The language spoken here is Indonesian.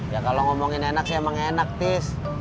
ya kalau ngomongin enak sih emangnya enak tis